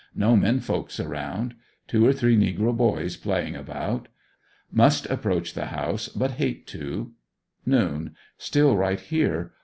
No men folks around. Two or three negro boys playing about. Must approach the house, but hate to. Noon. Still right here.